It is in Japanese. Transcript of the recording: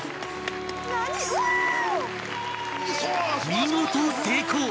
［見事成功！］